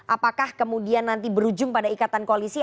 apakah kemudian nanti berujung pada ikatan koalisi